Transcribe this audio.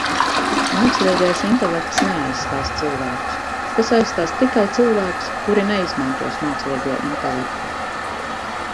Mākslīgais intelekts neaizstās cilvēkus, tas aizstās tikai cilvēkus, kuri neizmantos mākslīgo intelektu.